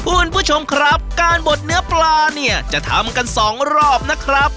คุณผู้ชมครับการบดเนื้อปลาเนี่ยจะทำกันสองรอบนะครับ